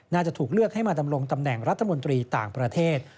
จะถูกเลือกให้มาดำรงตำแหน่งรัฐมนตรีต่างประเทศ